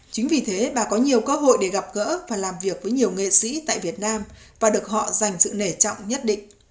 chính vì thế bà có nhiều cơ hội để gặp gỡ và làm việc với nhiều nghệ sĩ tại việt nam và được họ dành sự nể trọng nhất định